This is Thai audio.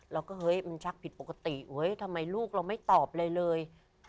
เราก็เฮ้ยมันชักผิดปกติเฮ้ยทำไมลูกเราไม่ตอบอะไรเลย